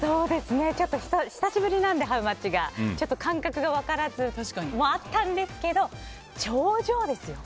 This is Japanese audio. ちょっと久しぶりなのでハウマッチが感覚が分からずっていうところもあったんですけど頂上ですよ？